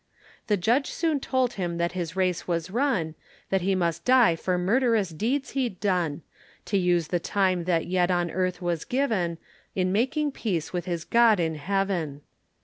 The Judge soon told him that his race was run, That he must die for murderous deeds he'd done, To use the time that yet on earth was given, In making peace with his God in heaven.